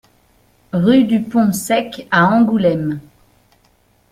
Rue du Pont Sec à Angoulême